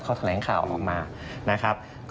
เขาแถลงข่าวออกมานะครับ